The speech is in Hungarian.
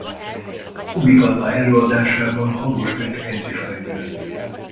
Kubik Anna előadásában hangos könyvként is megjelent.